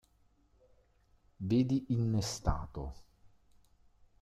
Vedi "innestato".